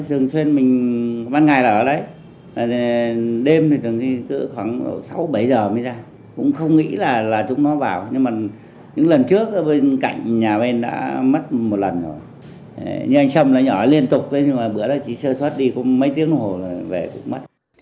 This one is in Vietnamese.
trước bên cạnh nhà bên đã mất một lần rồi nhưng anh chồng nó nhỏ liên tục nhưng mà bữa đó chỉ sơ xuất đi có mấy tiếng hồ rồi về cũng mất